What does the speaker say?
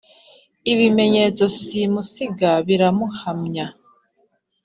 ibimenyetso simusiga. biramuhamya